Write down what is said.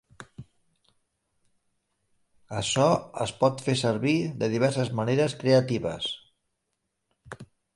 Això es pot fer servir de diverses maneres creatives.